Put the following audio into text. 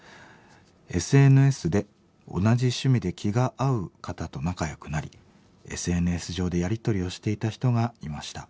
「ＳＮＳで同じ趣味で気が合う方と仲よくなりＳＮＳ上でやり取りをしていた人がいました。